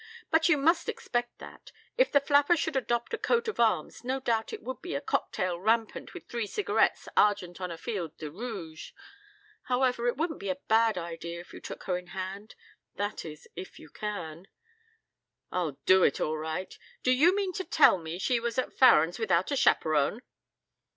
"But you must expect that. If the flapper should adopt a coat of arms no doubt it would be a cocktail rampant with three cigarettes argent on a field de rouge. However, it wouldn't be a bad idea if you took her in hand. That is, if you can." "I'll do it all right. D'you mean to tell me she was at Farren's without a chaperon?"